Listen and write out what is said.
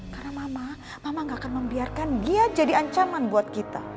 karena mama mama gak akan membiarkan dia jadi ancaman buat kita